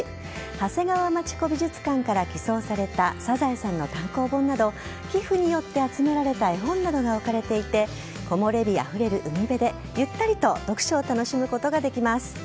長谷川町子美術館から寄贈された「サザエさん」の単行本など寄付によって集められた絵本などが置かれていて木漏れ日あふれる海辺でゆったりと読書を楽しむことができます。